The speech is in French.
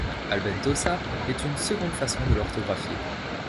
Albentosa est une seconde façon de l'orthographier.